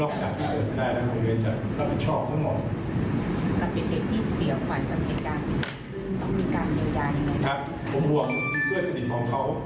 ผมห่วงเพื่อนสนิทของเขา